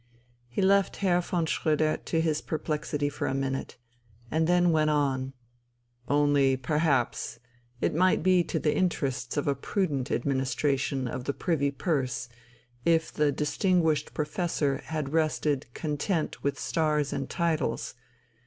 He left Herr von Schröder to his perplexity for a minute, and then went on: "Only perhaps it might be to the interests of a prudent administration of the Privy Purse if the distinguished professor had rested content with stars and titles